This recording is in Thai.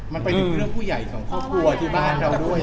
มันไปถึงเรื่องผู้ใหญ่ของครอบครัวที่บ้านเราด้วย